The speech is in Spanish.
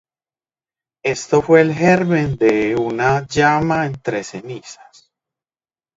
Esto fue el germen de "Una llama entre cenizas".